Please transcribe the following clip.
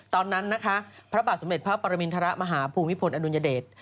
ตอนนั้นนะคะพระบาทสมเด็จพระปรมินทรมาฮภูมิพลอดุลยเดช